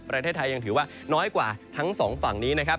ประเทศไทยยังถือว่าน้อยกว่าทั้งสองฝั่งนี้นะครับ